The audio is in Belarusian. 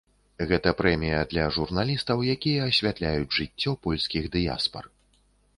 Гэта прэмія для журналістаў, якія асвятляюць жыццё польскіх дыяспар.